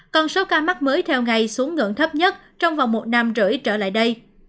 còn số ca mắc mới theo ngày xuống ngưỡng thấp nhất trong vòng một năm rưỡi trở lại đây